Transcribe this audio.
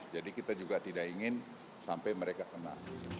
jadi kita juga tidak ingin sampai mereka kena